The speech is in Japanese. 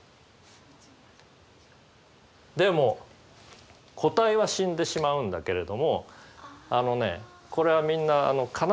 でも個体は死んでしまうんだけれどもあのねこれはみんな悲しむことじゃない。